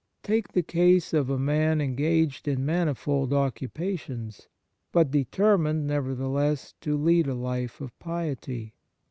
Take the case of a man engaged in manifold occupations, but deter mined, nevertheless, to lead a life of piety.